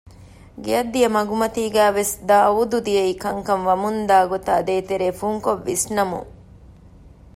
ގެއަށް ދިޔަ މަގުމަތީގައިވެސް ދާއޫދު ދިޔައީ ކަންކަން ވަމުންދާ ގޮތާ ދޭތެރޭ ފުންކޮށް ވިސްނަމުން